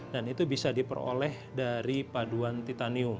dan itu bisa diperoleh dari paduan titanium